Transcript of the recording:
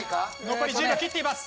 残り１０秒切っています。